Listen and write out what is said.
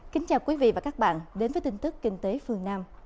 kính chào quý vị và các bạn đến với tin tức kinh tế phương nam